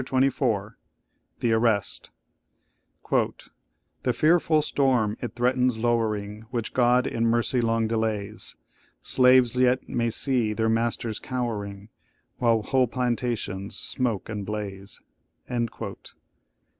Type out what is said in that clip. CHAPTER XXIV THE ARREST "The fearful storm it threatens lowering, Which God in mercy long delays; Slaves yet may see their masters cowering, While whole plantations smoke and blaze!"